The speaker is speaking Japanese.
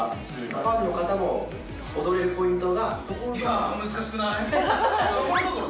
ファンの方も踊れるポイントが、ところどころ。